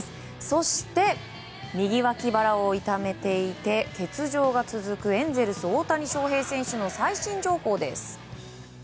そして右脇腹を痛めていて欠場が続くエンゼルス、大谷翔平選手の最新情報です。